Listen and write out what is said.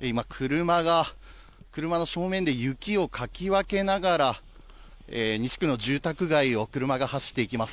今、車が車の正面で雪をかき分けながら西区の住宅街を車が走っていきます。